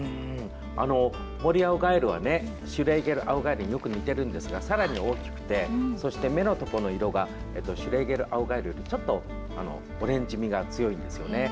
モリアオガエルはシュレーゲルアオガエルによく似てるんですがさらに大きくてそして、目のところの色がシュレーゲルアオガエルよりちょっとオレンジ味が強いんですね。